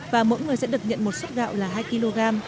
và mỗi người sẽ được nhận một suất gạo là hai kg